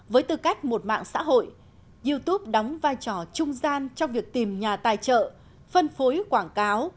với tư cách một mạng xã hội youtube đóng vai trò trung gian trong việc tìm nhà tài trợ phân phối quảng cáo